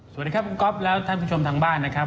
สวัสดีครับคุณก๊อฟแล้วท่านผู้ชมทางบ้านนะครับ